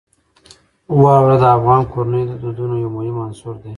واوره د افغان کورنیو د دودونو یو مهم عنصر دی.